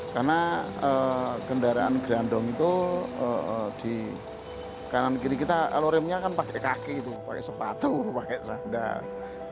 karena kendaraan grandong itu di kanan kiri kita kalau remnya kan pakai kaki pakai sepatu pakai sandal